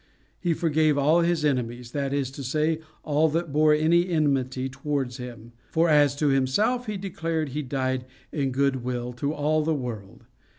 He forgave all his enemies that is to say, all that bore any enmity towards him; for as to himself, he declared he died in good will to all the world.